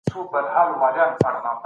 د اوبو په ذریعه د بدن زهر بهر کیږي.